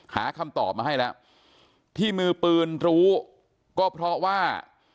หาคำตอบมาให้แล้วที่มือปืนรู้ก็เพราะว่า